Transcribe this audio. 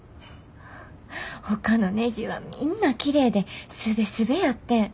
ほかのねじはみんなきれいでスベスベやってん。